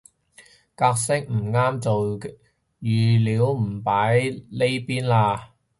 格式唔啱做語料唔擺呢邊嘞